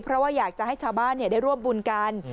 เพราะว่าอยากจะให้ชาวบ้านได้ร่วมบุญกัน